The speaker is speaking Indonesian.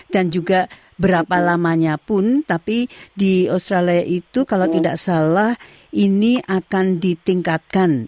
dan juga berapa lamanya pun tapi di australia itu kalau tidak salah ini akan ditingkatkan